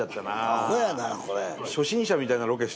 アホやなこれ。